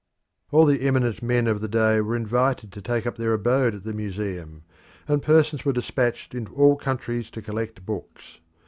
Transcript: All the eminent men of the day were invited to take up their abode at the Museum, and persons were dispatched into all countries to collect books.